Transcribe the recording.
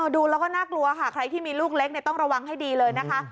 ดูแล้วก็น่ากลัวค่ะใครที่มีลูกเล็กต้องระวังให้ดีเลยนะคะ